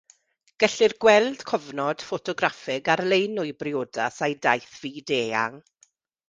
Gellir gweld cofnod ffotograffig ar-lein o'i briodas a'i daith fyd eang.